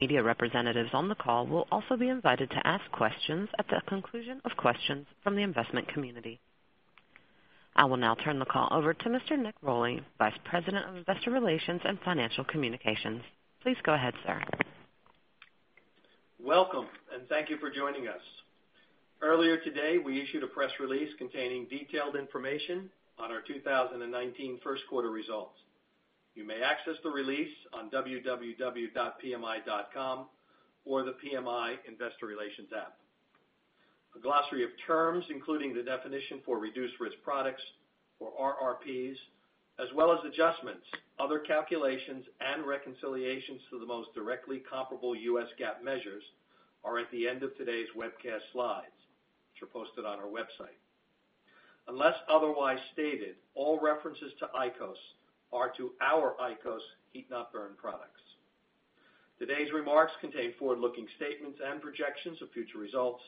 Media representatives on the call will also be invited to ask questions at the conclusion of questions from the investment community. I will now turn the call over to Mr. Nick Rolli, Vice President of Investor Relations and Financial Communications. Please go ahead, sir. Welcome. Thank you for joining us. Earlier today, we issued a press release containing detailed information on our 2019 first quarter results. You may access the release on www.pmi.com or the PMI Investor Relations app. A glossary of terms, including the definition for Reduced-Risk Products or RRPs, as well as adjustments, other calculations, and reconciliations to the most directly comparable US GAAP measures, are at the end of today's webcast slides, which are posted on our website. Unless otherwise stated, all references to IQOS are to our IQOS heat-not-burn products. Today's remarks contain forward-looking statements and projections of future results.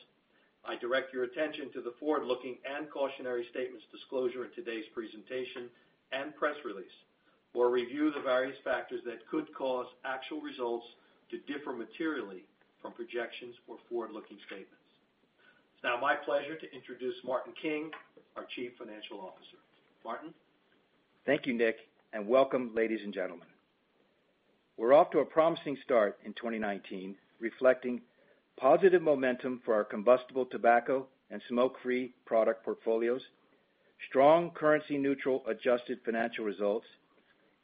I direct your attention to the forward-looking and cautionary statements disclosure in today's presentation and press release, or review the various factors that could cause actual results to differ materially from projections or forward-looking statements. It's now my pleasure to introduce Martin King, our Chief Financial Officer. Martin? Thank you, Nick. Welcome, ladies and gentlemen. We're off to a promising start in 2019, reflecting positive momentum for our combustible tobacco and smoke-free product portfolios, strong currency-neutral adjusted financial results,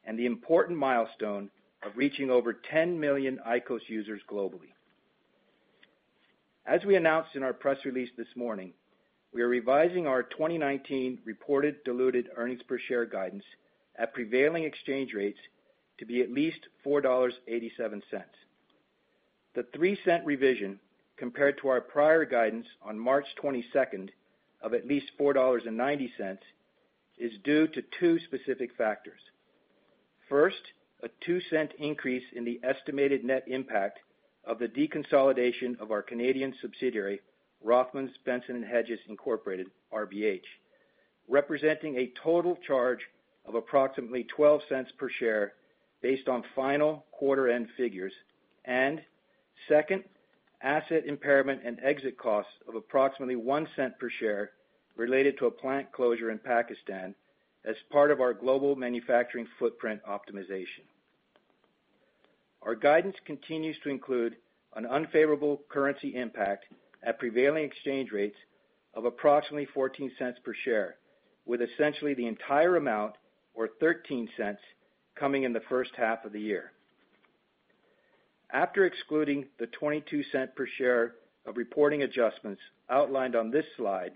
and the important milestone of reaching over 10 million IQOS users globally. As we announced in our press release this morning, we are revising our 2019 reported diluted earnings per share guidance at prevailing exchange rates to be at least $4.87. The $0.03 revision, compared to our prior guidance on March 22nd of at least $4.90, is due to two specific factors. First, a $0.02 increase in the estimated net impact of the deconsolidation of our Canadian subsidiary, Rothmans, Benson & Hedges Incorporated, RBH, representing a total charge of approximately $0.12 per share based on final quarter-end figures. Second, asset impairment and exit costs of approximately $0.01 per share related to a plant closure in Pakistan as part of our global manufacturing footprint optimization. Our guidance continues to include an unfavorable currency impact at prevailing exchange rates of approximately $0.14 per share, with essentially the entire amount, or $0.13, coming in the first half of the year. After excluding the $0.22 per share of reporting adjustments outlined on this slide,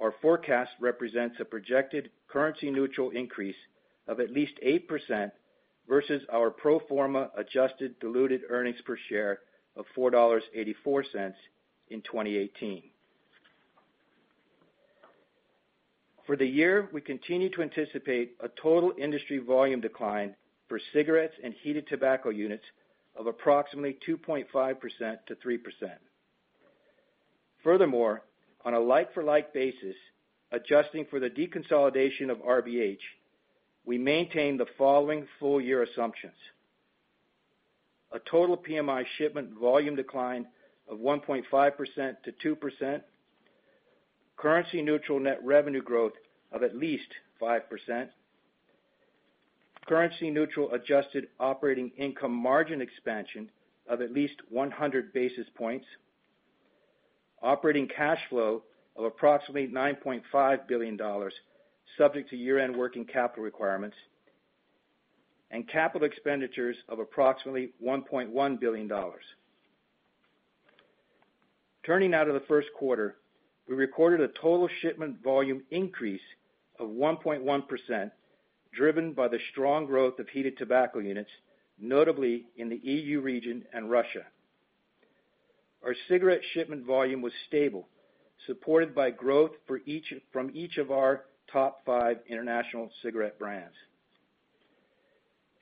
our forecast represents a projected currency-neutral increase of at least 8% versus our pro forma adjusted diluted earnings per share of $4.84 in 2018. For the year, we continue to anticipate a total industry volume decline for cigarettes and Heated Tobacco Units of approximately 2.5%-3%. Furthermore, on a like-for-like basis, adjusting for the deconsolidation of RBH, we maintain the following full-year assumptions: a total PMI shipment volume decline of 1.5%-2%, currency-neutral net revenue growth of at least 5%, currency-neutral adjusted operating income margin expansion of at least 100 basis points, operating cash flow of approximately $9.5 billion, subject to year-end working capital requirements, and capital expenditures of approximately $1.1 billion. Turning now to the first quarter, we recorded a total shipment volume increase of 1.1%, driven by the strong growth of Heated Tobacco Units, notably in the EU region and Russia. Our cigarette shipment volume was stable, supported by growth from each of our top five international cigarette brands.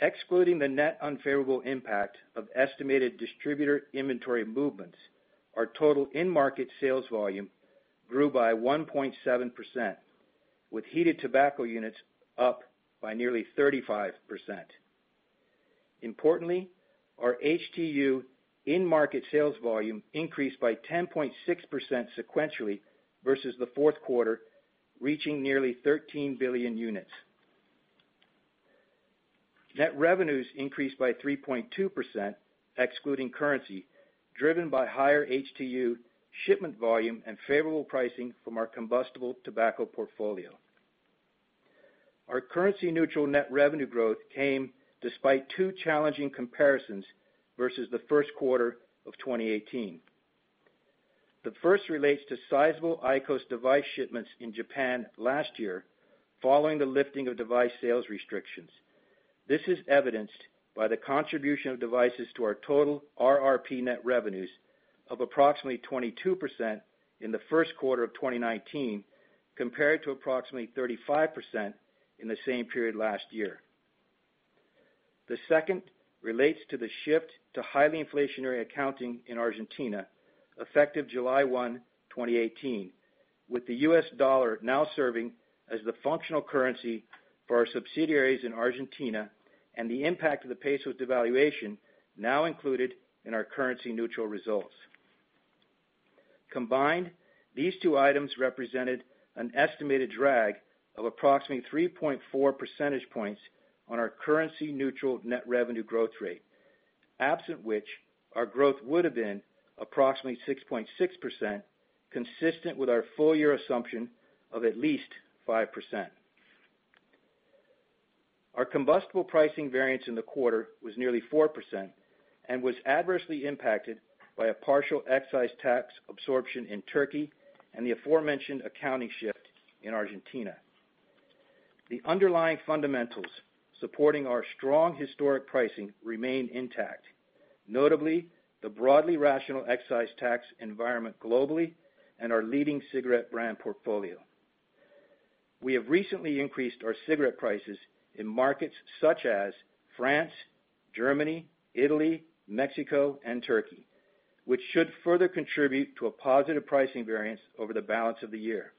Excluding the net unfavorable impact of estimated distributor inventory movements, our total in-market sales volume grew by 1.7%, with Heated Tobacco Units up by nearly 35%. Importantly, our HTU in-market sales volume increased by 10.6% sequentially versus the fourth quarter, reaching nearly 13 billion units. Net revenues increased by 3.2%, excluding currency, driven by higher HTU shipment volume and favorable pricing from our combustible tobacco portfolio. Our currency-neutral net revenue growth came despite two challenging comparisons versus the first quarter of 2018. The first relates to sizable IQOS device shipments in Japan last year, following the lifting of device sales restrictions. This is evidenced by the contribution of devices to our total RRP net revenues of approximately 22% in the first quarter of 2019, compared to approximately 35% in the same period last year. The second relates to the shift to highly inflationary accounting in Argentina, effective July 1, 2018. With the U.S. dollar now serving as the functional currency for our subsidiaries in Argentina, and the impact of the peso's devaluation now included in our currency neutral results. Combined, these two items represented an estimated drag of approximately 3.4 percentage points on our currency neutral net revenue growth rate. Absent which, our growth would have been approximately 6.6%, consistent with our full year assumption of at least 5%. Our combustible pricing variance in the quarter was nearly 4% and was adversely impacted by a partial excise tax absorption in Turkey and the aforementioned accounting shift in Argentina. The underlying fundamentals supporting our strong historic pricing remain intact. Notably, the broadly rational excise tax environment globally and our leading cigarette brand portfolio. We have recently increased our cigarette prices in markets such as France, Germany, Italy, Mexico, and Turkey, which should further contribute to a positive pricing variance over the balance of the year.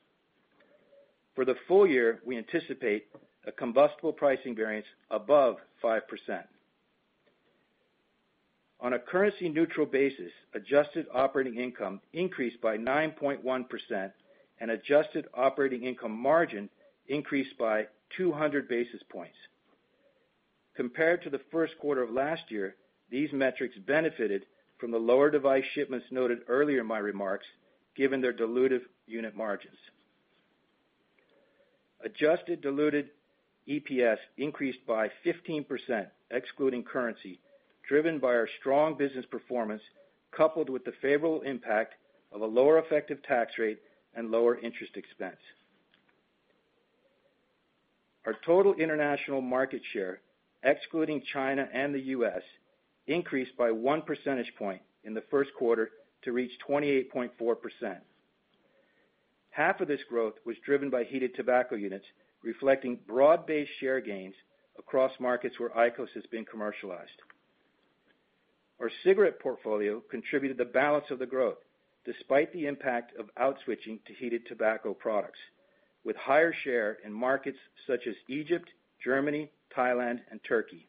For the full year, we anticipate a combustible pricing variance above 5%. On a currency neutral basis, adjusted operating income increased by 9.1% and adjusted operating income margin increased by 200 basis points. Compared to the first quarter of last year, these metrics benefited from the lower device shipments noted earlier in my remarks, given their dilutive unit margins. Adjusted diluted EPS increased by 15%, excluding currency, driven by our strong business performance, coupled with the favorable impact of a lower effective tax rate and lower interest expense. Our total international market share, excluding China and the U.S., increased by one percentage point in the first quarter to reach 28.4%. Half of this growth was driven by Heated Tobacco Units, reflecting broad-based share gains across markets where IQOS has been commercialized. Our cigarette portfolio contributed the balance of the growth despite the impact of out-switching to heated tobacco products, with higher share in markets such as Egypt, Germany, Thailand, and Turkey.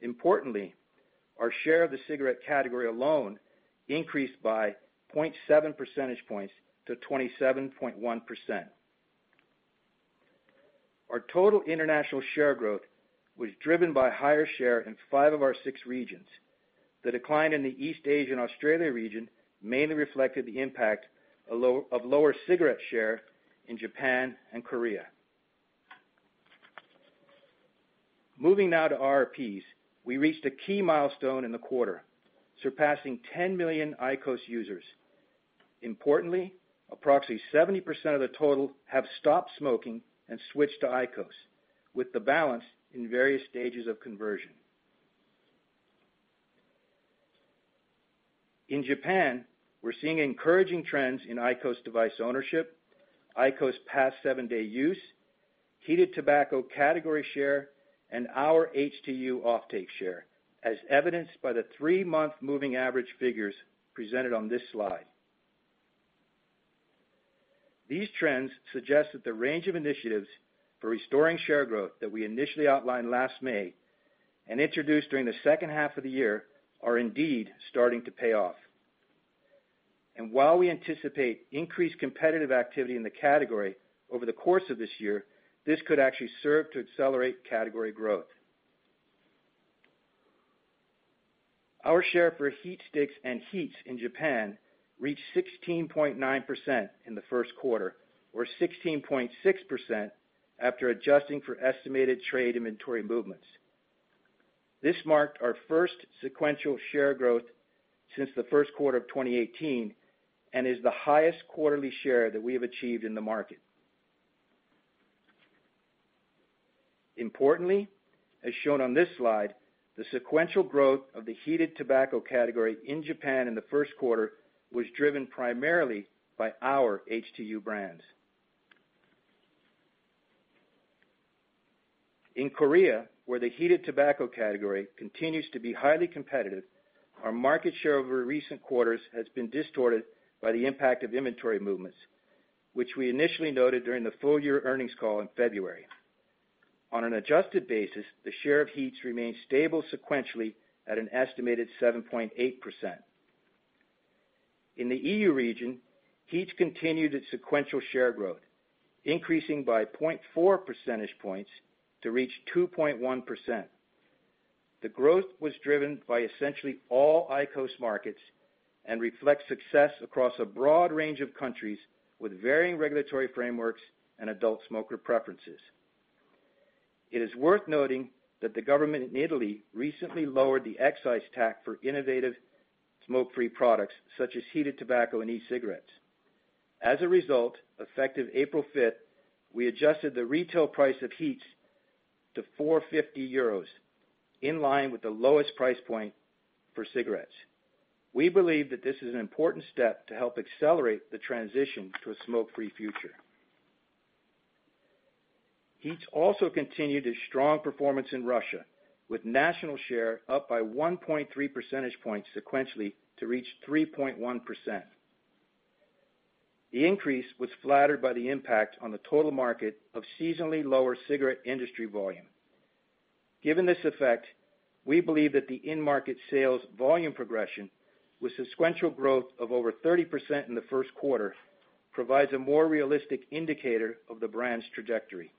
Importantly, our share of the cigarette category alone increased by 0.7 percentage points to 27.1%. Our total international share growth was driven by higher share in five of our six regions. The decline in the East Asia and Australia region mainly reflected the impact of lower cigarette share in Japan and Korea. Moving now to RRPs. We reached a key milestone in the quarter, surpassing 10 million IQOS users. Importantly, approximately 70% of the total have stopped smoking and switched to IQOS, with the balance in various stages of conversion. In Japan, we're seeing encouraging trends in IQOS device ownership, IQOS past seven-day use, Heated Tobacco category share, and our HTU offtake share, as evidenced by the three-month moving average figures presented on this slide. These trends suggest that the range of initiatives for restoring share growth that we initially outlined last May and introduced during the second half of the year are indeed starting to pay off. While we anticipate increased competitive activity in the category over the course of this year, this could actually serve to accelerate category growth. Our share for HeatSticks and HEETS in Japan reached 16.9% in the first quarter or 16.6% after adjusting for estimated trade inventory movements. This marked our first sequential share growth since the first quarter of 2018 and is the highest quarterly share that we have achieved in the market. Importantly, as shown on this slide, the sequential growth of the Heated Tobacco category in Japan in the first quarter was driven primarily by our HTU brands. In Korea, where the Heated Tobacco category continues to be highly competitive, our market share over recent quarters has been distorted by the impact of inventory movements, which we initially noted during the full-year earnings call in February. On an adjusted basis, the share of HEETS remains stable sequentially at an estimated 7.8%. In the EU region, HEETS continued its sequential share growth, increasing by 0.4 percentage points to reach 2.1%. The growth was driven by essentially all IQOS markets and reflects success across a broad range of countries with varying regulatory frameworks and adult smoker preferences. It is worth noting that the government in Italy recently lowered the excise tax for innovative smoke-free products such as Heated Tobacco and e-cigarettes. As a result, effective April fifth, we adjusted the retail price of HEETS to 4.50 euros, in line with the lowest price point for cigarettes. We believe that this is an important step to help accelerate the transition to a smoke-free future. HEETS also continued its strong performance in Russia, with national share up by 1.3 percentage points sequentially to reach 3.1%. The increase was flattered by the impact on the total market of seasonally lower cigarette industry volume. Given this effect, we believe that the in-market sales volume progression with sequential growth of over 30% in the first quarter provides a more realistic indicator of the brand's trajectory.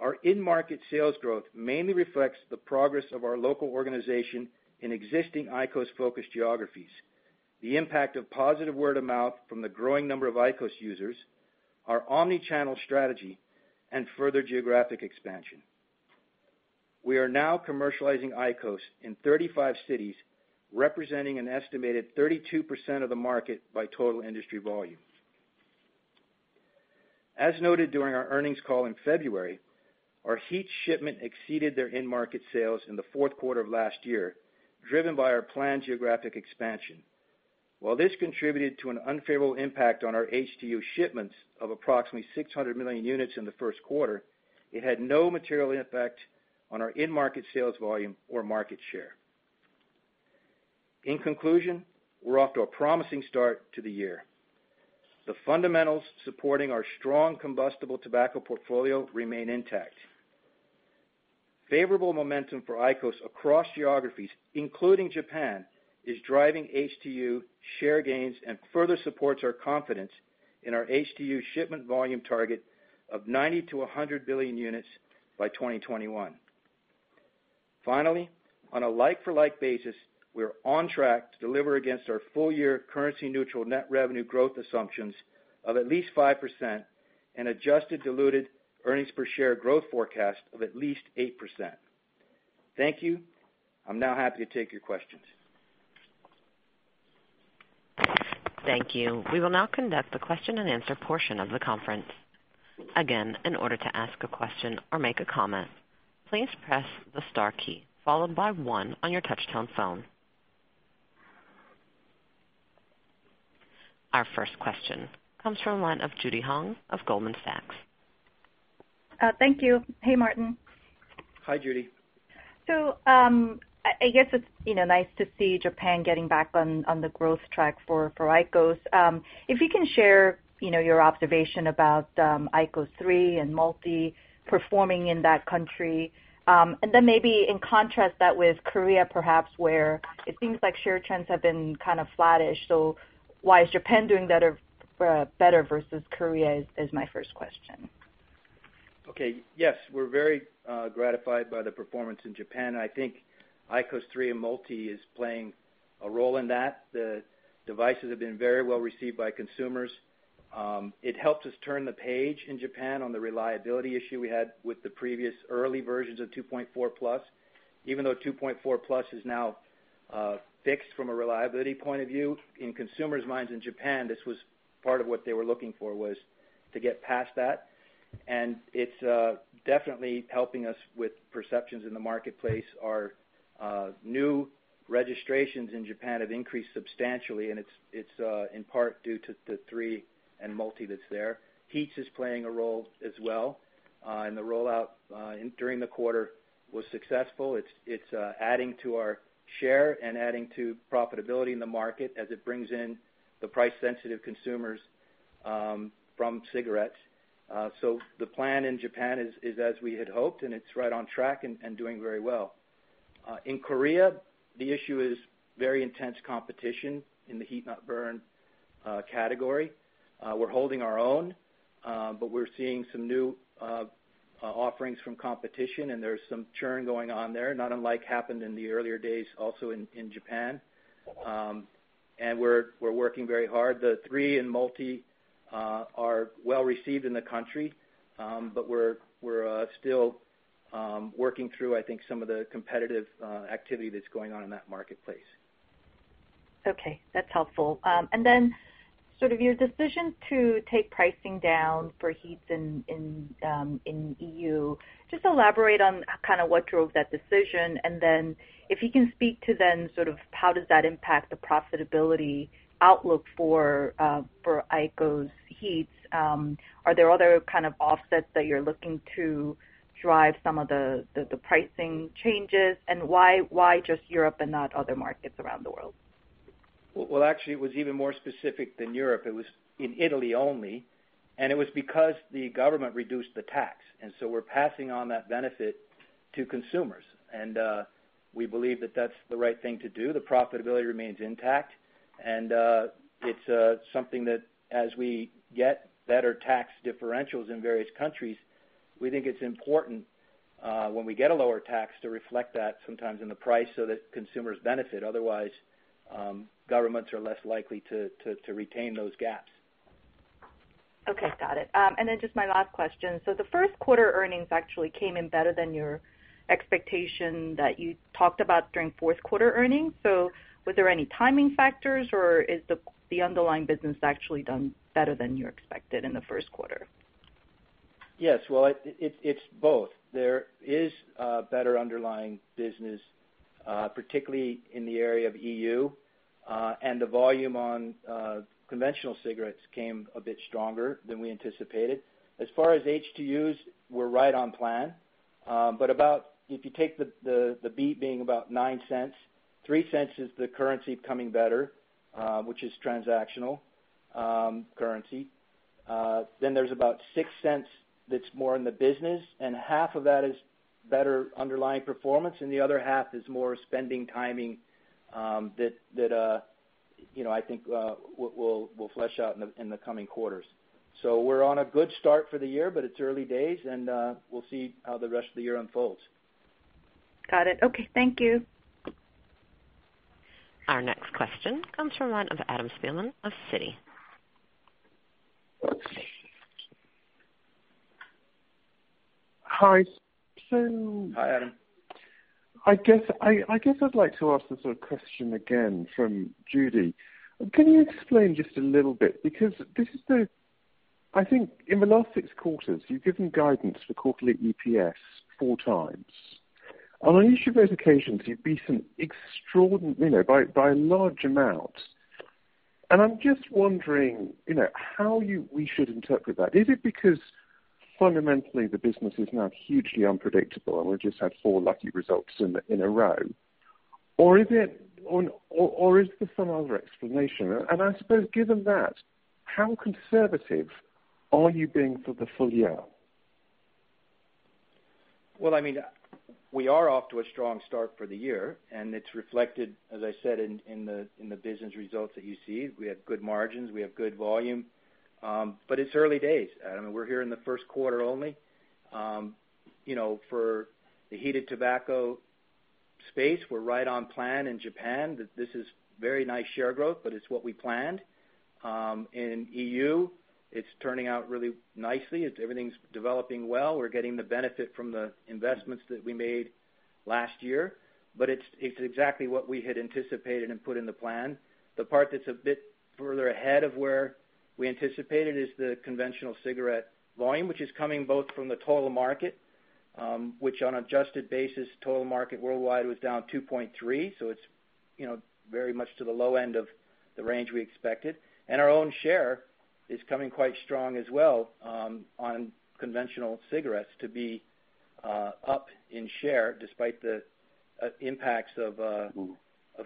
Our in-market sales growth mainly reflects the progress of our local organization in existing IQOS-focused geographies, the impact of positive word-of-mouth from the growing number of IQOS users, our omni-channel strategy, and further geographic expansion. We are now commercializing IQOS in 35 cities, representing an estimated 32% of the market by total industry volume. As noted during our earnings call in February, our HEETS shipment exceeded their in-market sales in the fourth quarter of last year, driven by our planned geographic expansion. While this contributed to an unfavorable impact on our HTU shipments of approximately 600 million units in the first quarter, it had no material impact on our in-market sales volume or market share. In conclusion, we're off to a promising start to the year. The fundamentals supporting our strong combustible tobacco portfolio remain intact. Favorable momentum for IQOS across geographies, including Japan, is driving HTU share gains and further supports our confidence in our HTU shipment volume target of 90 billion to 100 billion units by 2021. Finally, on a like-for-like basis, we are on track to deliver against our full-year currency neutral net revenue growth assumptions of at least 5% and adjusted diluted earnings per share growth forecast of at least 8%. Thank you. I'm now happy to take your questions. Thank you. We will now conduct the question and answer portion of the conference. Again, in order to ask a question or make a comment, please press the star key followed by one on your touch-tone phone. Our first question comes from the line of Judy Hong of Goldman Sachs. Thank you. Hey, Martin. Hi, Judy. I guess it's nice to see Japan getting back on the growth track for IQOS. If you can share your observation about IQOS 3 and Multi performing in that country. Maybe in contrast that with Korea, perhaps, where it seems like share trends have been kind of flattish. Why is Japan doing better versus Korea, is my first question. Yes, we're very gratified by the performance in Japan. I think IQOS 3 and Multi is playing a role in that. The devices have been very well received by consumers. It helped us turn the page in Japan on the reliability issue we had with the previous early versions of 2.4 Plus. Even though 2.4 Plus is now fixed from a reliability point of view, in consumers' minds in Japan, this was part of what they were looking for was to get past that, and it's definitely helping us with perceptions in the marketplace. Our new registrations in Japan have increased substantially, and it's in part due to the IQOS 3 and Multi that's there. HEETS is playing a role as well, and the rollout during the quarter was successful. It's adding to our share and adding to profitability in the market as it brings in the price-sensitive consumers from cigarettes. The plan in Japan is as we had hoped, and it's right on track and doing very well. In Korea, the issue is very intense competition in the heat-not-burn category. We're holding our own. We're seeing some new offerings from competition, and there's some churn going on there, not unlike happened in the earlier days also in Japan. We're working very hard. The IQOS 3 and Multi are well received in the country. We're still working through, I think, some of the competitive activity that's going on in that marketplace. Okay, that's helpful. Sort of your decision to take pricing down for HEETS in EU. Elaborate on kind of what drove that decision, if you can speak to how does that impact the profitability outlook for IQOS HEETS? Are there other kind of offsets that you're looking to drive some of the pricing changes? Why just Europe and not other markets around the world? Well, actually, it was even more specific than Europe. It was in Italy only. It was because the government reduced the tax. We're passing on that benefit to consumers. We believe that that's the right thing to do. The profitability remains intact, and it's something that as we get better tax differentials in various countries, we think it's important when we get a lower tax to reflect that sometimes in the price so that consumers benefit. Otherwise, governments are less likely to retain those gaps. Okay, got it. Just my last question. The first quarter earnings actually came in better than your expectation that you talked about during fourth quarter earnings. Was there any timing factors, or has the underlying business actually done better than you expected in the first quarter? Yes. Well, it's both. There is a better underlying business particularly in the area of EU, and the volume on conventional cigarettes came a bit stronger than we anticipated. As far as HTUs, we're right on plan. If you take the beat being about $0.09, $0.03 is the currency becoming better, which is transactional currency. There's about $0.06 that's more in the business, and half of that is better underlying performance, and the other half is more spending timing that I think we'll flesh out in the coming quarters. We're on a good start for the year, but it's early days, and we'll see how the rest of the year unfolds. Got it. Okay. Thank you. Our next question comes from the line of Adam Spielman of Citi. Hi, Tin. Hi, Adam. I guess I'd like to ask the sort of question again from Judy Hong. Can you explain just a little bit? Because I think in the last six quarters, you've given guidance for quarterly EPS four times. And on each of those occasions, you've beaten by a large amount. I'm just wondering how we should interpret that. Is it because fundamentally the business is now hugely unpredictable, and we've just had four lucky results in a row? Or is there some other explanation? I suppose given that, how conservative are you being for the full year? Well, we are off to a strong start for the year, and it's reflected, as I said, in the business results that you see. We have good margins, we have good volume. But it's early days, Adam Spielman, and we're here in the first quarter only. For the heated tobacco space, we're right on plan in Japan. This is very nice share growth, but it's what we planned. In EU, it's turning out really nicely. Everything's developing well. We're getting the benefit from the investments that we made last year, but it's exactly what we had anticipated and put in the plan. The part that's a bit further ahead of where we anticipated is the conventional cigarette volume, which is coming both from the total market, which on adjusted basis, total market worldwide was down 2.3%, so it's very much to the low end of the range we expected. Our own share is coming quite strong as well on conventional cigarettes to be up in share despite the impacts of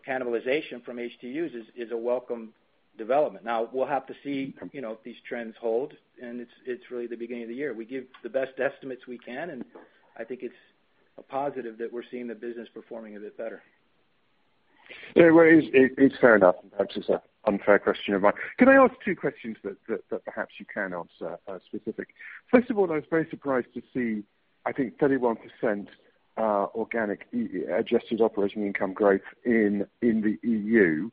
cannibalization from HTUs is a welcome development. Now, we'll have to see if these trends hold, and it's really the beginning of the year. We give the best estimates we can, and I think it's a positive that we're seeing the business performing a bit better. Yeah, well, it's fair enough. Perhaps it's an unfair question of mine. Can I ask two questions that perhaps you can answer specific? First of all, I was very surprised to see, I think, 31% organic adjusted operating income growth in the EU.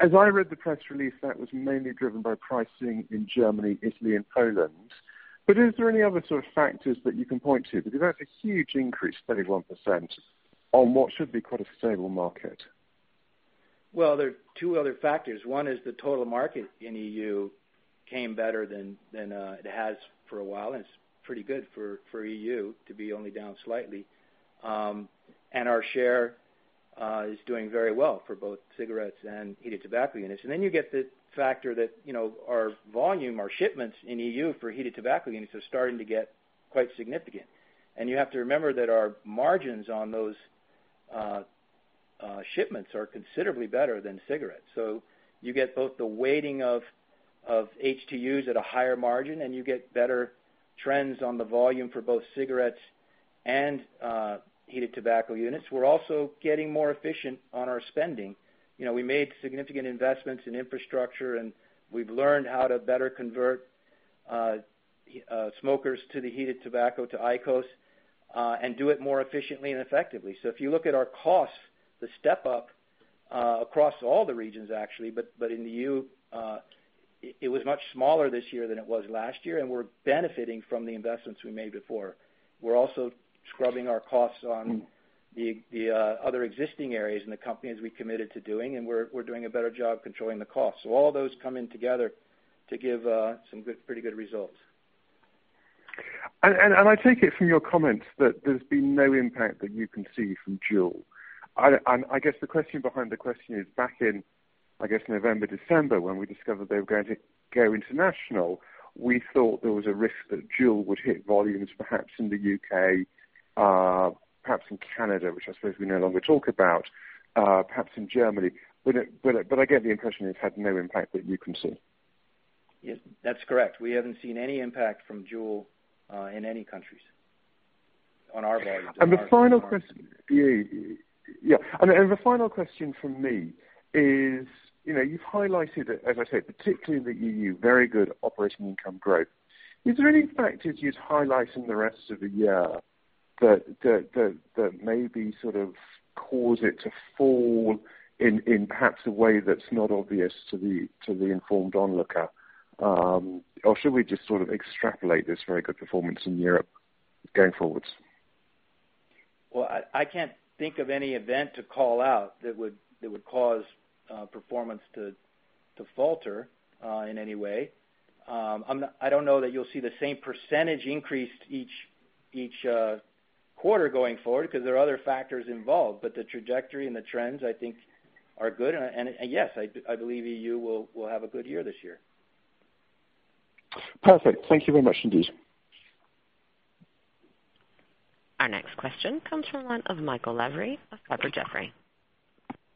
As I read the press release, that was mainly driven by pricing in Germany, Italy, and Poland. But is there any other sort of factors that you can point to? Because that's a huge increase, 31%, on what should be quite a stable market. There are two other factors. One is the total market in EU came better than it has for a while, and it's pretty good for EU to be only down slightly. Our share is doing very well for both cigarettes and heated tobacco units. You get the factor that our volume, our shipments in EU for heated tobacco units are starting to get quite significant. You have to remember that our margins on those shipments are considerably better than cigarettes. You get both the weighting of HTUs at a higher margin, and you get better trends on the volume for both cigarettes and heated tobacco units. We're also getting more efficient on our spending. We made significant investments in infrastructure, and we've learned how to better convert smokers to the heated tobacco to IQOS, and do it more efficiently and effectively. If you look at our costs, the step up across all the regions actually, but in EU, it was much smaller this year than it was last year, and we're benefiting from the investments we made before. We're also scrubbing our costs on the other existing areas in the company as we committed to doing, and we're doing a better job controlling the cost. All those come in together to give some pretty good results. I take it from your comments that there's been no impact that you can see from Juul. I guess the question behind the question is back in, I guess November, December, when we discovered they were going to go international, we thought there was a risk that Juul would hit volumes, perhaps in the U.K., perhaps in Canada, which I suppose we no longer talk about, perhaps in Germany. I get the impression it had no impact that you can see. Yes, that's correct. We haven't seen any impact from Juul in any countries on our values. The final question from me is, you've highlighted, as I said, particularly in the EU, very good operating income growth. Is there any factors you'd highlight in the rest of the year that maybe sort of cause it to fall in perhaps a way that's not obvious to the informed onlooker? Or should we just sort of extrapolate this very good performance in Europe going forward? Well, I can't think of any event to call out that would cause performance to falter in any way. I don't know that you'll see the same percentage increase each quarter going forward because there are other factors involved, but the trajectory and the trends, I think, are good. Yes, I believe EU will have a good year this year. Perfect. Thank you very much indeed. Our next question comes from the line of Michael Lavery of Piper Jaffray.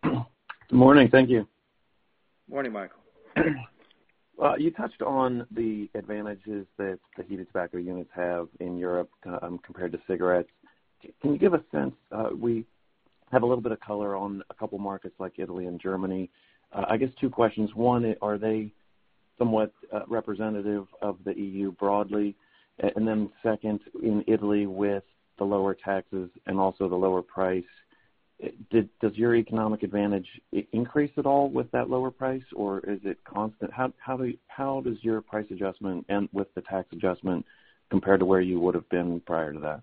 Good morning. Thank you. Morning, Michael. You touched on the advantages that the Heated Tobacco Units have in Europe, compared to cigarettes. Can you give a sense, we have a little bit of color on a couple markets like Italy and Germany. I guess two questions. One, are they somewhat representative of the EU broadly? Second, in Italy with the lower taxes and also the lower price, does your economic advantage increase at all with that lower price, or is it constant? How does your price adjustment end with the tax adjustment compared to where you would've been prior to that?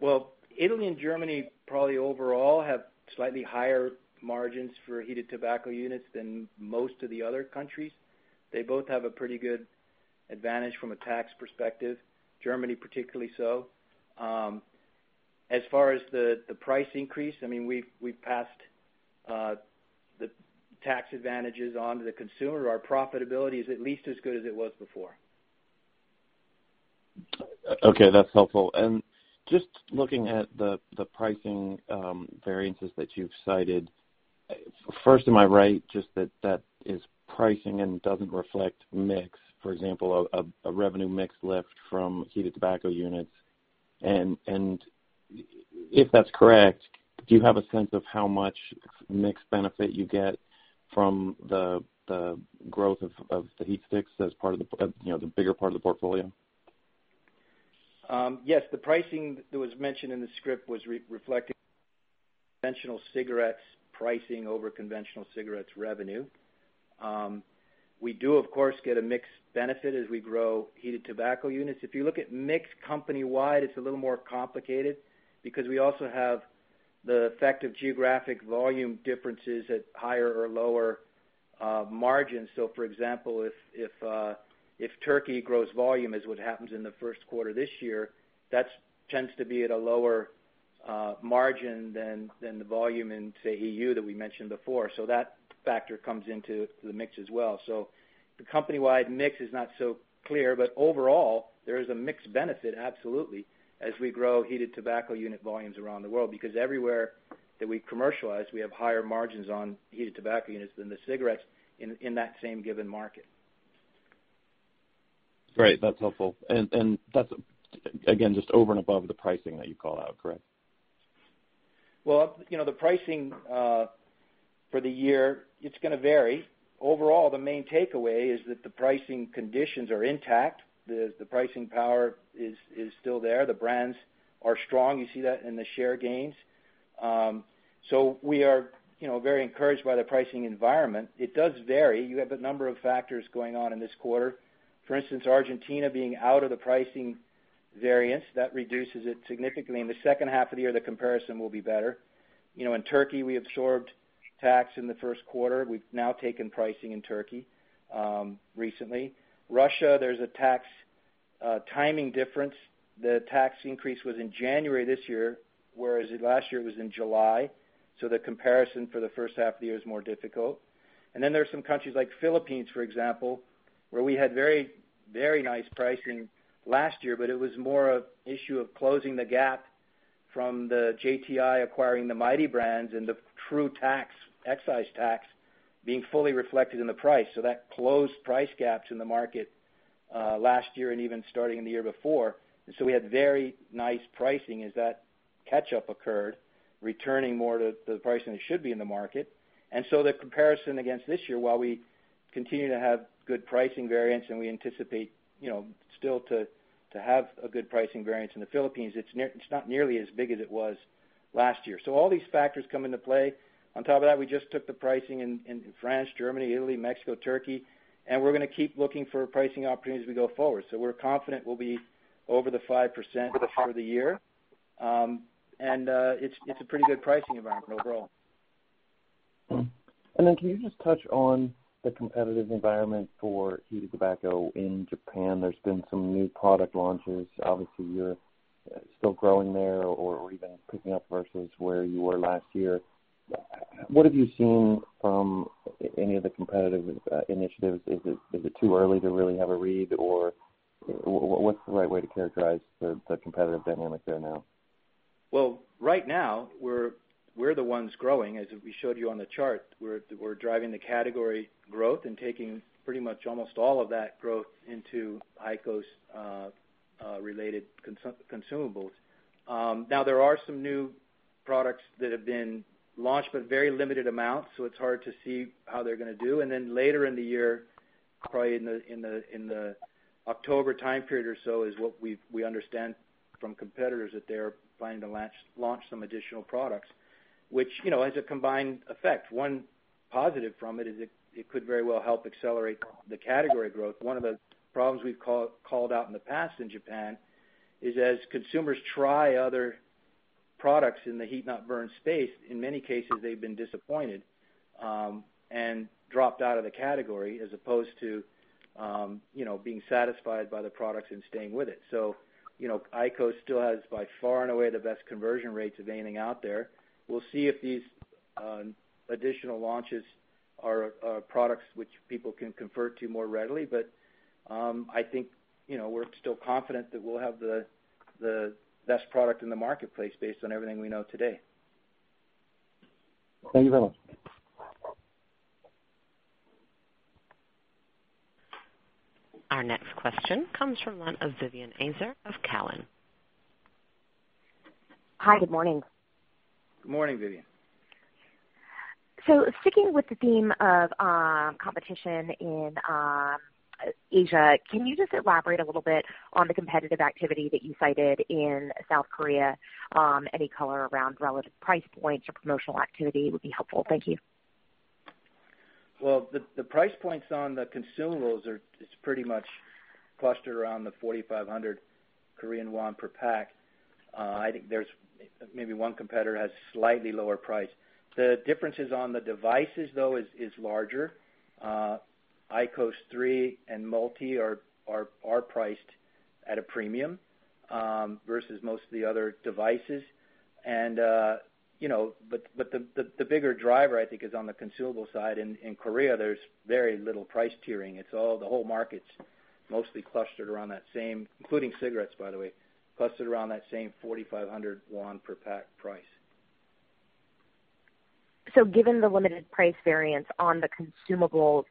Well, Italy and Germany probably overall have slightly higher margins for Heated Tobacco Units than most of the other countries. They both have a pretty good advantage from a tax perspective, Germany particularly so. As far as the price increase, we've passed the tax advantages onto the consumer. Our profitability is at least as good as it was before. Okay, that's helpful. Just looking at the pricing variances that you've cited, first, am I right, just that that is pricing and doesn't reflect mix, for example, a revenue mix lift from heated tobacco units? If that's correct, do you have a sense of how much mix benefit you get from the growth of the HeatSticks as the bigger part of the portfolio? Yes. The pricing that was mentioned in the script was reflecting conventional cigarettes pricing over conventional cigarettes revenue. We do, of course, get a mix benefit as we grow heated tobacco units. If you look at mix company-wide, it's a little more complicated because we also have the effect of geographic volume differences at higher or lower margins. For example, if Turkey grows volume, as what happens in the first quarter this year, that tends to be at a lower margin than the volume in, say, EU that we mentioned before. That factor comes into the mix as well. The company-wide mix is not so clear, but overall, there is a mix benefit, absolutely, as we grow heated tobacco unit volumes around the world, because everywhere that we commercialize, we have higher margins on heated tobacco units than the cigarettes in that same given market. Great. That's helpful. That's, again, just over and above the pricing that you called out, correct? Well, the pricing for the year, it's gonna vary. Overall, the main takeaway is that the pricing conditions are intact. The pricing power is still there. The brands are strong. You see that in the share gains. We are very encouraged by the pricing environment. It does vary. You have a number of factors going on in this quarter. For instance, Argentina being out of the pricing variance, that reduces it significantly. In the second half of the year, the comparison will be better. In Turkey, we absorbed tax in the first quarter. We've now taken pricing in Turkey recently. Russia, there's a tax timing difference. The tax increase was in January this year, whereas last year it was in July, so the comparison for the first half of the year is more difficult. There are some countries like Philippines, for example, where we had very nice pricing last year, but it was more an issue of closing the gap from the JTI acquiring the Mighty brands and the true excise tax being fully reflected in the price. That closed price gaps in the market last year and even starting in the year before. We had very nice pricing as that catch-up occurred, returning more to the pricing that should be in the market. The comparison against this year, while we continue to have good pricing variance and we anticipate still to have a good pricing variance in the Philippines, it's not nearly as big as it was last year. All these factors come into play. On top of that, we just took the pricing in France, Germany, Italy, Mexico, Turkey, and we're going to keep looking for pricing opportunities as we go forward. We're confident we'll be over the 5% for the year. It's a pretty good pricing environment overall. Can you just touch on the competitive environment for heated tobacco in Japan? There's been some new product launches. Obviously, you're still growing there or even picking up versus where you were last year. What have you seen from any of the competitive initiatives? Is it too early to really have a read, or what's the right way to characterize the competitive dynamic there now? Well, right now we're the ones growing. As we showed you on the chart, we're driving the category growth and taking pretty much almost all of that growth into IQOS related consumables. Now, there are some new products that have been launched, but very limited amounts, so it's hard to see how they're going to do. Later in the year, probably in the October time period or so, is what we understand from competitors, that they're planning to launch some additional products. Which has a combined effect. One positive from it is it could very well help accelerate the category growth. One of the problems we've called out in the past in Japan is as consumers try other products in the heat-not-burn space, in many cases, they've been disappointed, and dropped out of the category as opposed to being satisfied by the products and staying with it. IQOS still has by far and away the best conversion rates of anything out there. We'll see if these additional launches are products which people can convert to more readily. I think, we're still confident that we'll have the best product in the marketplace based on everything we know today. Thank you very much. Our next question comes from the line of Vivien Azer of Cowen. Hi, good morning. Good morning, Vivien. Sticking with the theme of competition in Asia, can you just elaborate a little bit on the competitive activity that you cited in South Korea? Any color around relative price points or promotional activity would be helpful. Thank you. Well, the price points on the consumables is pretty much clustered around the 4,500 Korean won per pack. I think there's maybe one competitor has slightly lower price. The differences on the devices though is larger. IQOS 3 and Multi are priced at a premium, versus most of the other devices. The bigger driver, I think, is on the consumable side. In Korea, there's very little price tiering. The whole market's mostly clustered around that same, including cigarettes by the way, clustered around that same 4,500 won per pack price. Given the limited price variance on the consumables,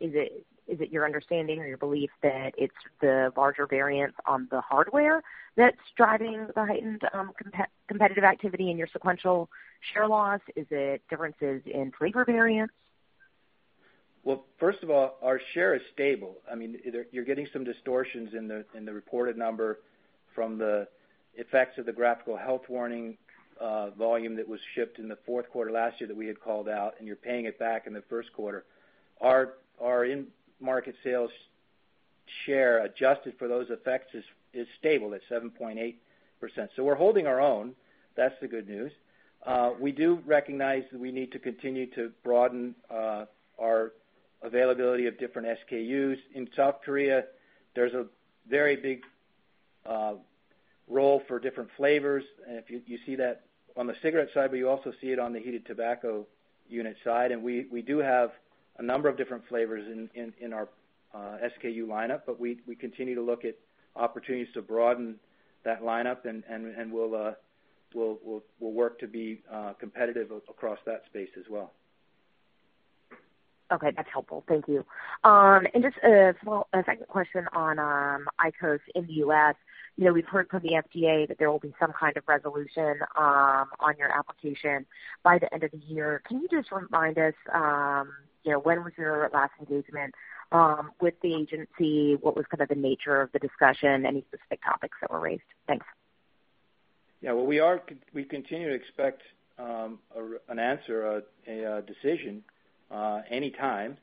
is it your understanding or your belief that it's the larger variance on the hardware that's driving the heightened competitive activity in your sequential share loss? Is it differences in flavor variance? Well, first of all, our share is stable. You're getting some distortions in the reported number from the effects of the graphic health warning volume that was shipped in the fourth quarter last year that we had called out, and you're paying it back in the first quarter. Our in-market sales share, adjusted for those effects, is stable at 7.8%. We're holding our own. That's the good news. We do recognize that we need to continue to broaden our availability of different SKUs. In South Korea, there's a very big role for different flavors. You see that on the cigarette side, but you also see it on the Heated Tobacco Units side. We do have a number of different flavors in our SKU lineup, but we continue to look at opportunities to broaden that lineup, and we'll work to be competitive across that space as well. Okay. That's helpful. Thank you. Just a second question on IQOS in the U.S. We've heard from the FDA that there will be some kind of resolution on your application by the end of the year. Can you just remind us, when was your last engagement with the agency? What was kind of the nature of the discussion? Any specific topics that were raised? Thanks. Yeah. Well, we continue to expect an answer, a decision, anytime.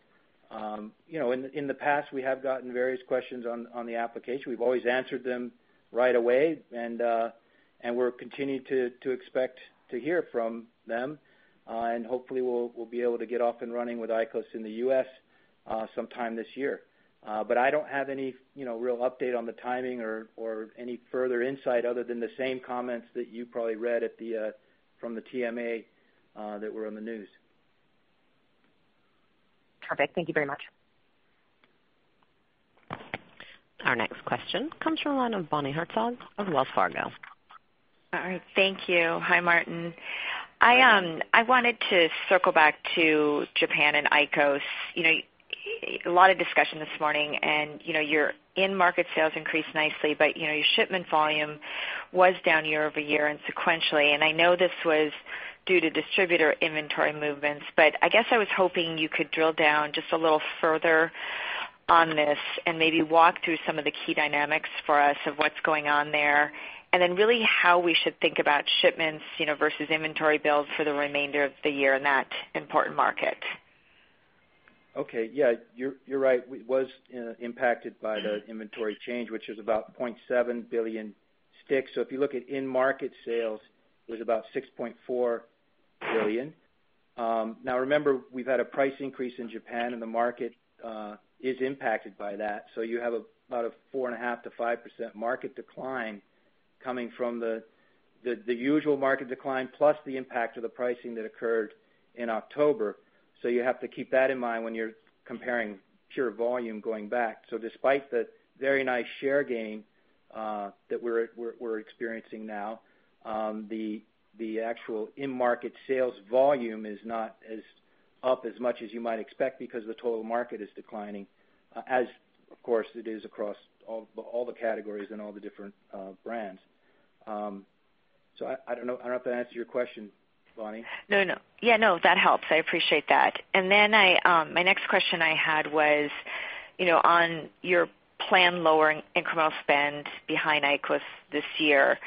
In the past, we have gotten various questions on the application. We've always answered them right away, and we're continuing to expect to hear from them. Hopefully, we'll be able to get off and running with IQOS in the U.S. sometime this year. I don't have any real update on the timing or any further insight other than the same comments that you probably read from the TMA, that were on the news. Perfect. Thank you very much. Our next question comes from the line of Bonnie Herzog of Wells Fargo. All right. Thank you. Hi, Martin. Hi. I wanted to circle back to Japan and IQOS. A lot of discussion this morning, your in-market sales increased nicely, I guess I was hoping you could drill down just a little further on this and maybe walk through some of the key dynamics for us of what's going on there, and then really how we should think about shipments versus inventory builds for the remainder of the year in that important market. Okay. Yeah, you're right. We was impacted by the inventory change, which is about 0.7 billion sticks. If you look at in-market sales, it was about 6.4 billion. Remember, we've had a price increase in Japan, and the market is impacted by that. You have about a 4.5%-5% market decline coming from the usual market decline plus the impact of the pricing that occurred in October. You have to keep that in mind when you're comparing pure volume going back. Despite the very nice share gain that we're experiencing now, the actual in-market sales volume is not up as much as you might expect because the total market is declining, as of course it is across all the categories and all the different brands. I don't know if that answers your question, Bonnie. No, that helps. I appreciate that. My next question I had was on your plan lowering incremental spend behind IQOS this year.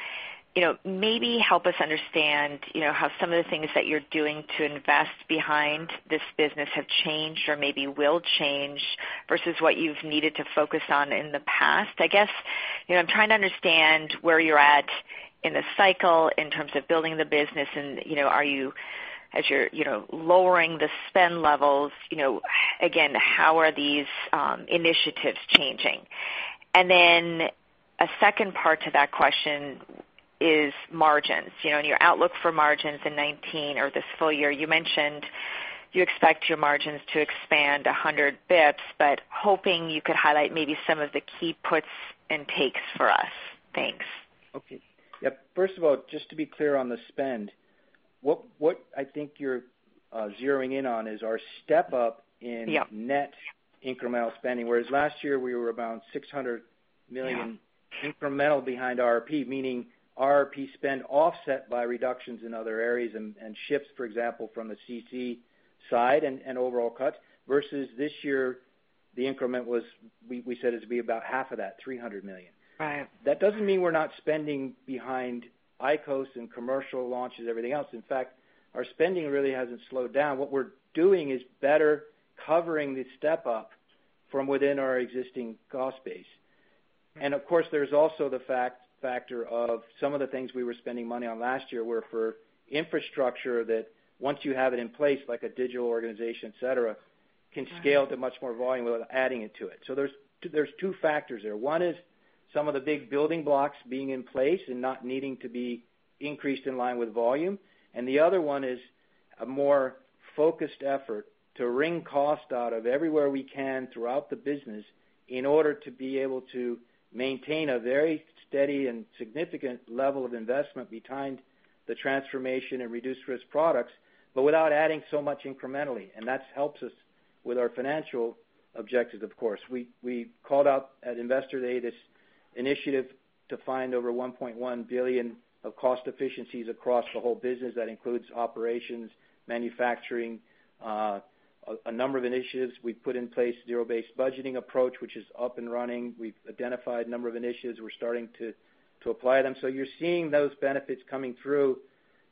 Maybe help us understand how some of the things that you are doing to invest behind this business have changed or maybe will change versus what you have needed to focus on in the past. I guess, I am trying to understand where you are at in the cycle in terms of building the business. As you are lowering the spend levels, again, how are these initiatives changing? A second part to that question is margins. In your outlook for margins in 2019 or this full year, you mentioned you expect your margins to expand 100 basis points, hoping you could highlight maybe some of the key puts and takes for us. Thanks. Okay. Yep. First of all, just to be clear on the spend, what I think you are zeroing in on is our step-up in- Yep net incremental spending. Yeah incremental behind RRP, meaning RRP spend offset by reductions in other areas and shifts, for example, from the CC side and overall cuts. Versus this year, the increment was, we said it'd be about half of that, $300 million. Right. That doesn't mean we're not spending behind IQOS and commercial launches, everything else. In fact, our spending really hasn't slowed down. What we're doing is better covering the step-up from within our existing cost base. Of course, there's also the factor of some of the things we were spending money on last year were for infrastructure that once you have it in place, like a digital organization, et cetera, can scale to much more volume without adding it to it. There's two factors there. One is some of the big building blocks being in place and not needing to be increased in line with volume, and the other one is a more focused effort to wring cost out of everywhere we can throughout the business in order to be able to maintain a very steady and significant level of investment behind the transformation and Reduced-Risk Products, but without adding so much incrementally. That helps us with our financial objectives, of course. We called out at Investor Day this initiative to find over $1.1 billion of cost efficiencies across the whole business. That includes operations, manufacturing, a number of initiatives we've put in place, zero-based budgeting approach, which is up and running. We've identified a number of initiatives. We're starting to apply them. You're seeing those benefits coming through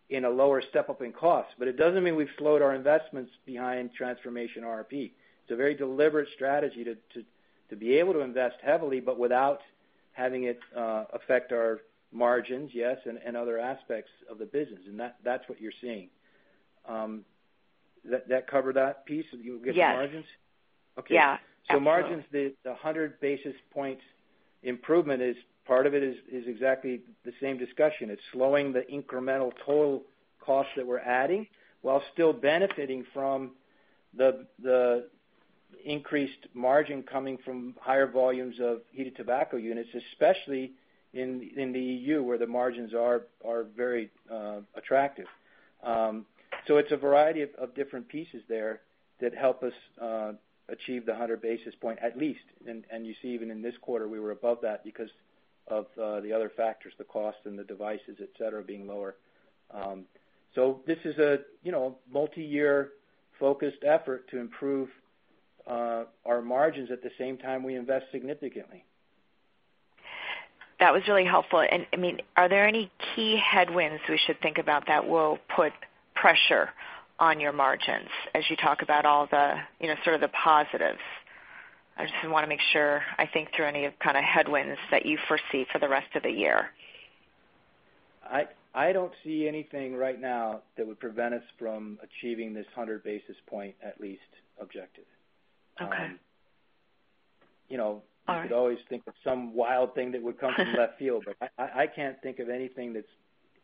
in a lower step-up in cost. It doesn't mean we've slowed our investments behind transformation RRP. It's a very deliberate strategy to be able to invest heavily, but without having it affect our margins, yes, and other aspects of the business, and that's what you're seeing. Did that cover that piece of you getting margins? Yes. Okay. Yeah. Excellent. The 100 basis points improvement is, part of it is exactly the same discussion. It's slowing the incremental total cost that we're adding while still benefiting from the increased margin coming from higher volumes of heated tobacco units, especially in the EU, where the margins are very attractive. It's a variety of different pieces there that help us achieve the 100 basis point at least. You see even in this quarter, we were above that because of the other factors, the cost and the devices, et cetera, being lower. This is a multi-year focused effort to improve our margins at the same time we invest significantly. That was really helpful. Are there any key headwinds we should think about that will put pressure on your margins as you talk about all the sort of the positives? I just want to make sure I think through any kind of headwinds that you foresee for the rest of the year. I don't see anything right now that would prevent us from achieving this 100 basis point at least objective. Okay. All right. You could always think of some wild thing that would come from left field, but I can't think of anything that's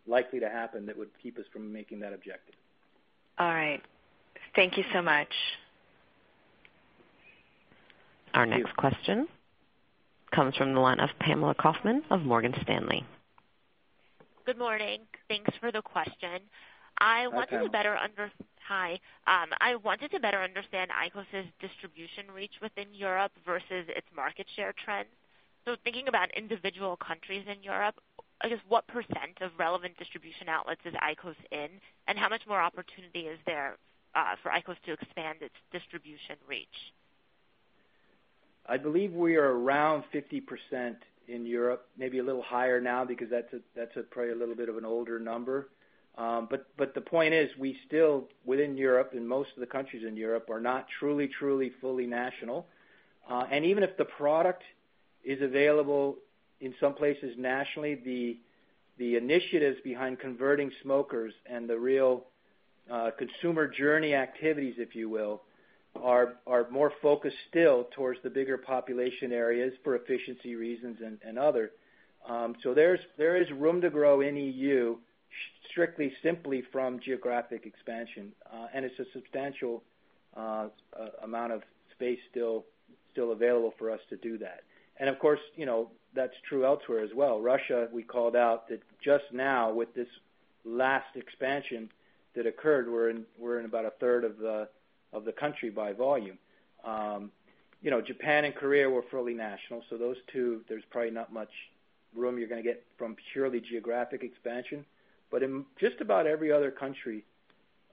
likely to happen that would keep us from making that objective. All right. Thank you so much. Thank you. Our next question comes from the line of Pamela Kaufman of Morgan Stanley. Good morning. Thanks for the question. Hi, Pam. Hi. I wanted to better understand IQOS' distribution reach within Europe versus its market share trends. Thinking about individual countries in Europe, I guess, what % of relevant distribution outlets is IQOS in, and how much more opportunity is there for IQOS to expand its distribution reach? I believe we are around 50% in Europe, maybe a little higher now because that's probably a little bit of an older number. The point is, we still, within Europe and most of the countries in Europe, are not truly fully national. Even if the product is available in some places nationally, the initiatives behind converting smokers and the real consumer journey activities, if you will, are more focused still towards the bigger population areas for efficiency reasons and other. There is room to grow in EU strictly simply from geographic expansion. It's a substantial amount of space still available for us to do that. Of course, that's true elsewhere as well. Russia, we called out that just now with this last expansion that occurred, we're in about a third of the country by volume. Japan and Korea, we're fully national, those two, there's probably not much room you're going to get from purely geographic expansion. In just about every other country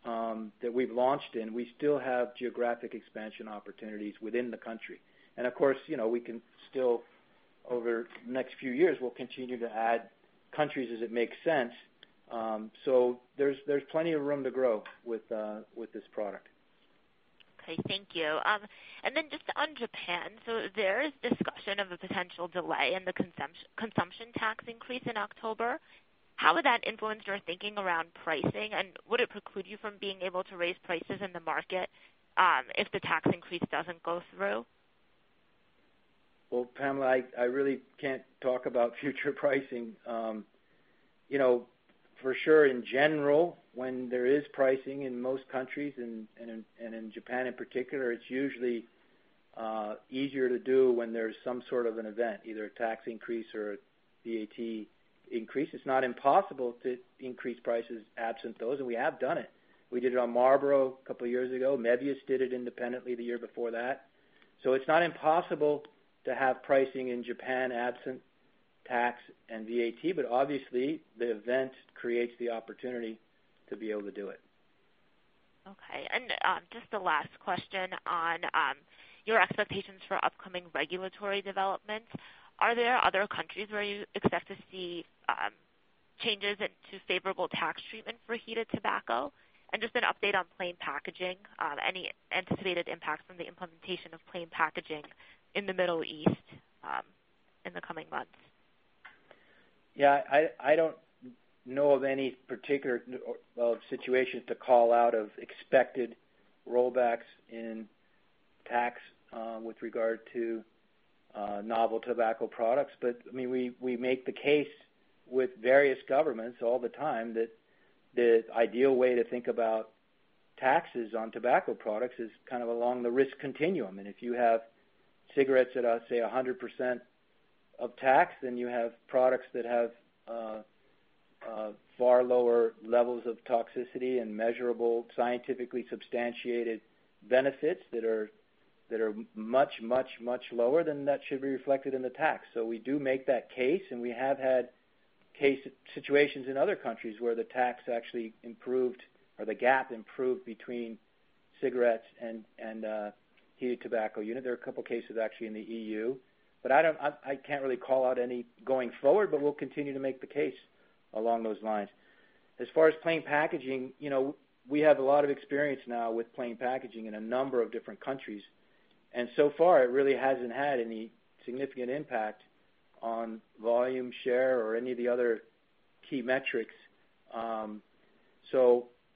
that we've launched in, we still have geographic expansion opportunities within the country. Of course, we can still, over the next few years, we'll continue to add countries as it makes sense. There's plenty of room to grow with this product. Okay, thank you. Just on Japan. There is discussion of a potential delay in the consumption tax increase in October. How would that influence your thinking around pricing, would it preclude you from being able to raise prices in the market if the tax increase doesn't go through? Well, Pamela, I really can't talk about future pricing. For sure, in general, when there is pricing in most countries, in Japan in particular, it's usually easier to do when there's some sort of an event, either a tax increase or VAT increase. It's not impossible to increase prices absent those, we have done it. We did it on Marlboro a couple of years ago. Mevius did it independently the year before that. It's not impossible to have pricing in Japan absent tax and VAT, obviously the event creates the opportunity to be able to do it. Okay, just the last question on your expectations for upcoming regulatory developments. Are there other countries where you expect to see changes to favorable tax treatment for heated tobacco? Just an update on plain packaging. Any anticipated impact from the implementation of plain packaging in the Middle East in the coming months? Yeah, I don't know of any particular situations to call out of expected rollbacks in tax with regard to novel tobacco products. We make the case with various governments all the time that the ideal way to think about taxes on tobacco products is along the risk continuum. If you have cigarettes that are, say, 100% of tax, then you have products that have far lower levels of toxicity and measurable, scientifically substantiated benefits that are much lower, then that should be reflected in the tax. We do make that case, and we have had situations in other countries where the tax actually improved, or the gap improved between cigarettes and Heated Tobacco unit. There are a couple of cases actually in the EU, I can't really call out any going forward, but we'll continue to make the case along those lines. As far as plain packaging, we have a lot of experience now with plain packaging in a number of different countries, so far it really hasn't had any significant impact on volume share or any of the other key metrics.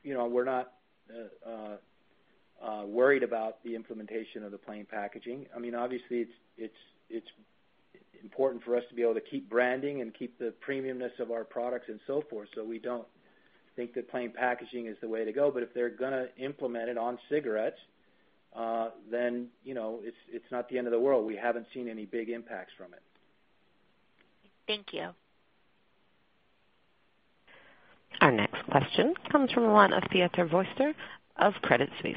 We're not worried about the implementation of the plain packaging. Obviously, it's important for us to be able to keep branding and keep the premiumness of our products and so forth. We don't think that plain packaging is the way to go. If they're going to implement it on cigarettes, then it's not the end of the world. We haven't seen any big impacts from it. Thank you. Our next question comes from the line of Pieter Vorster of Credit Suisse.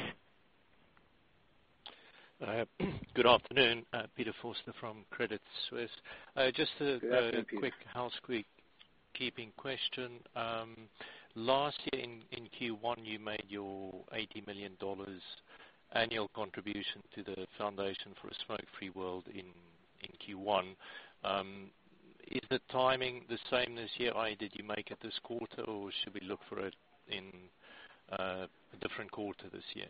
Good afternoon, Pieter Vorster from Credit Suisse. Good afternoon, Pieter. Just a quick housekeeping question. Last year in Q1, you made your $80 million annual contribution to the Foundation for a Smoke-Free World in Q1. Is the timing the same this year? Did you make it this quarter, or should we look for it in a different quarter this year?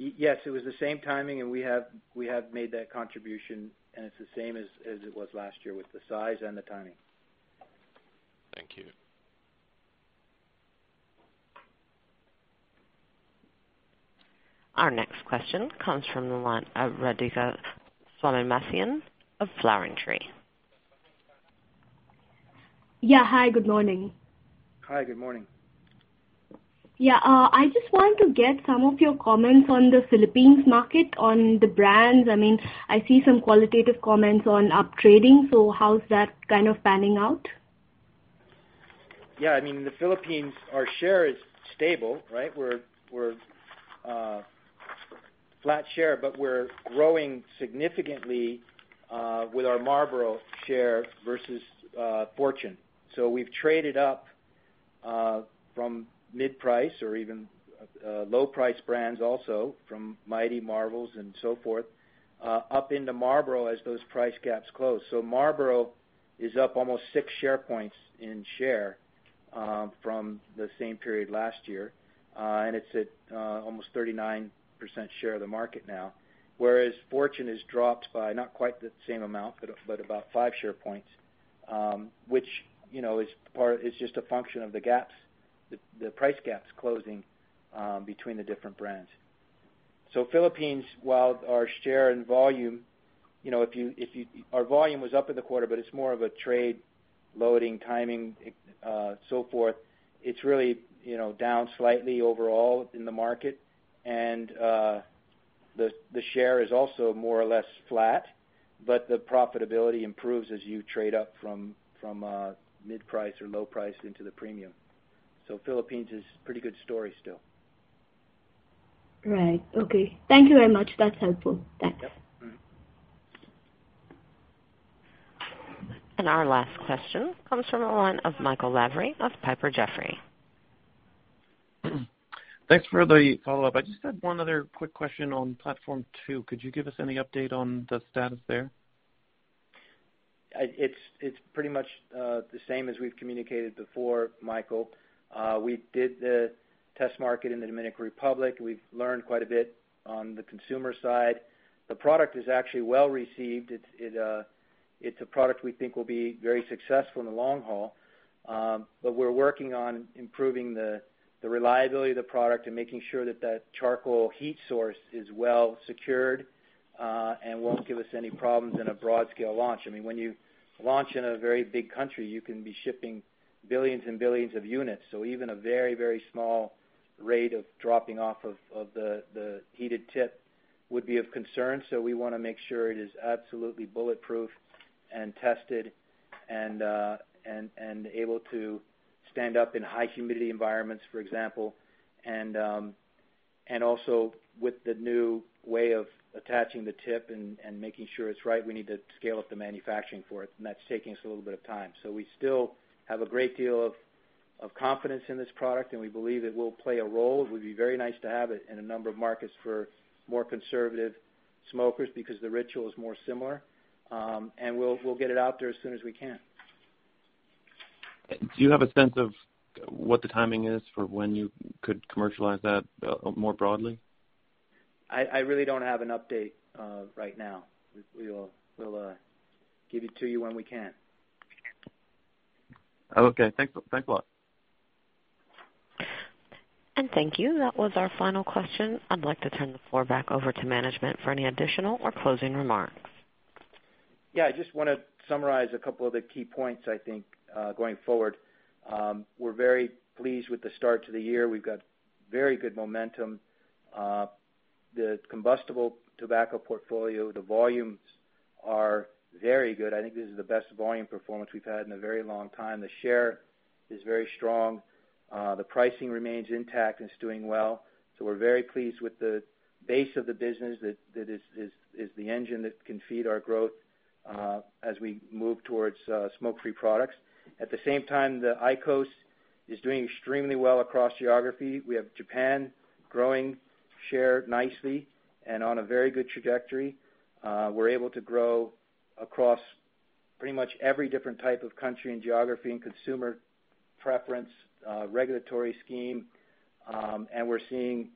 Yes, it was the same timing, and we have made that contribution, and it's the same as it was last year with the size and the timing. Thank you. Our next question comes from the line of Radhika Somamasiang of Flowering Tree. Yeah. Hi, good morning. Hi, good morning. Yeah. I just wanted to get some of your comments on the Philippines market, on the brands. I see some qualitative comments on up-trading. How's that panning out? Yeah, in the Philippines, our share is stable. We're flat share, but we're growing significantly with our Marlboro share versus Fortune. We've traded up from mid-price or even low price brands also from Mighty, Marlboro and so forth up into Marlboro as those price gaps close. Marlboro is up almost six share points in share from the same period last year. It's at almost 39% share of the market now, whereas Fortune has dropped by not quite the same amount, but about five share points, which is just a function of the price gaps closing between the different brands. Philippines, our volume was up in the quarter, but it's more of a trade loading, timing, so forth. It's really down slightly overall in the market. The share is also more or less flat, but the profitability improves as you trade up from mid price or low price into the premium. Philippines is a pretty good story still. Right. Okay. Thank you very much. That's helpful. Thanks. Yep. Mm-hmm. Our last question comes from the line of Michael Lavery of Piper Jaffray. Thanks for the follow-up. I just had one other quick question on Platform 2. Could you give us any update on the status there? It's pretty much the same as we've communicated before, Michael. We did the test market in the Dominican Republic. We've learned quite a bit on the consumer side. The product is actually well-received. It's a product we think will be very successful in the long haul. We're working on improving the reliability of the product and making sure that that charcoal heat source is well secured, and won't give us any problems in a broad scale launch. When you launch in a very big country, you can be shipping billions and billions of units. Even a very small rate of dropping off of the heated tip would be of concern. We want to make sure it is absolutely bulletproof and tested and able to stand up in high humidity environments, for example. Also with the new way of attaching the tip and making sure it's right, we need to scale up the manufacturing for it, that's taking us a little bit of time. We still have a great deal of confidence in this product, and we believe it will play a role. It would be very nice to have it in a number of markets for more conservative smokers because the ritual is more similar. We'll get it out there as soon as we can. Do you have a sense of what the timing is for when you could commercialize that more broadly? I really don't have an update right now. We'll give it to you when we can. Okay. Thanks a lot. Thank you. That was our final question. I'd like to turn the floor back over to management for any additional or closing remarks. I just want to summarize a couple of the key points, I think going forward. We're very pleased with the start to the year. We've got very good momentum. The combustible tobacco portfolio, the volumes are very good. I think this is the best volume performance we've had in a very long time. The share is very strong. The pricing remains intact and is doing well. We're very pleased with the base of the business that is the engine that can feed our growth as we move towards smoke-free products. At the same time, the IQOS is doing extremely well across geography. We have Japan growing share nicely and on a very good trajectory. We're able to grow across pretty much every different type of country and geography and consumer preference, regulatory scheme. We're seeing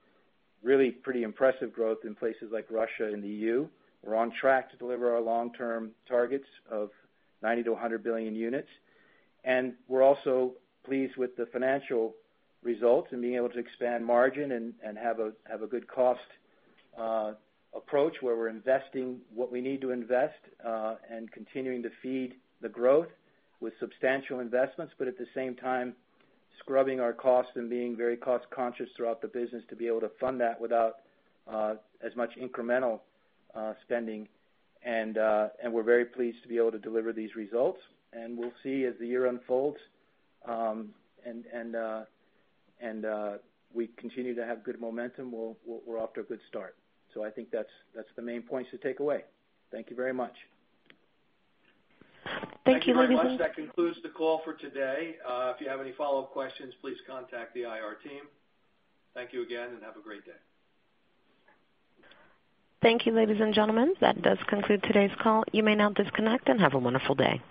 really pretty impressive growth in places like Russia and the EU. We're on track to deliver our long-term targets of 90 billion units-100 billion units. We're also pleased with the financial results and being able to expand margin and have a good cost approach where we're investing what we need to invest, and continuing to feed the growth with substantial investments, but at the same time, scrubbing our costs and being very cost conscious throughout the business to be able to fund that without as much incremental spending. We're very pleased to be able to deliver these results, and we'll see as the year unfolds, and we continue to have good momentum. We're off to a good start. I think that's the main points to take away. Thank you very much. Thank you very much. Thank you very much. That concludes the call for today. If you have any follow-up questions, please contact the IR team. Thank you again, and have a great day. Thank you, ladies and gentlemen. That does conclude today's call. You may now disconnect, and have a wonderful day.